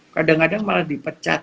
kadang kadang malah dipecat